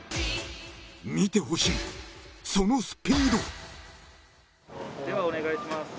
［見てほしいそのスピード］ではお願いします。